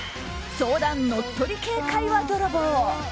相談乗っ取り系会話泥棒。